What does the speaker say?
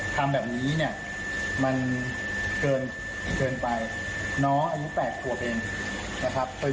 คุณเอกกับพบก็เลยพาแม่ลูกคู่นี้เข้าบ้านตัวเองนะครับคุณ